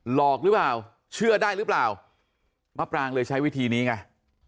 หลอกหรือเปล่าเชื่อได้หรือเปล่ามะปรางเลยใช้วิธีนี้ไง